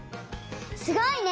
すごいね！